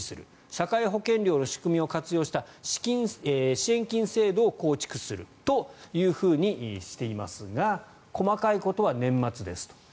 社会保険料の仕組みを活用した支援金制度を構築するとしていますが細かいことは年末ですと。